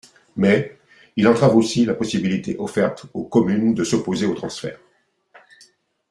Mais il entrave aussi la possibilité offerte aux communes de s’opposer au transfert.